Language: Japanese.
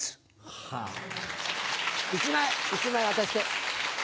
１枚１枚渡して。